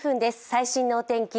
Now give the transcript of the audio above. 最新のお天気